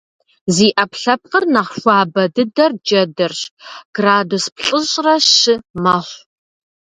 Зи Ӏэпкълъэпкъыр нэхъ хуабэ дыдэр джэдырщ - градус плӏыщӏрэ щы мэхъу.